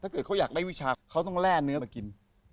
เกิดเขาอยากได้วิชาเขาต้องแร่เนื้อมากิน